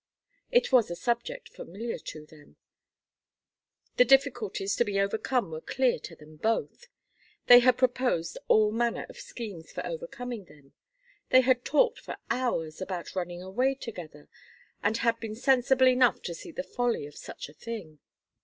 It was a subject familiar to them, the difficulties to be overcome were clear to them both, they had proposed all manner of schemes for overcoming them, they had talked for hours about running away together and had been sensible enough to see the folly of such a thing.